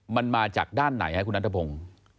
มันมาจากด้านไหนครับคุณนัทพงศ์